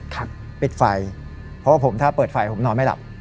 ปิดไฟเพราะว่าผมถ้าเปิดไฟผมนอนไม่หลับ